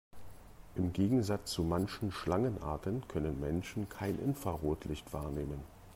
Im Gegensatz zu manchen Schlangenarten können Menschen kein Infrarotlicht wahrnehmen.